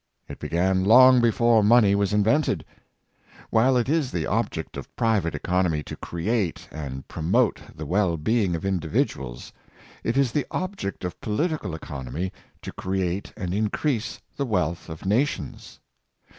It began long before money was invented. While it is the object of private economy to create and promote the well being of individuals, it is the object of political economy to create and increase the wealth of nations.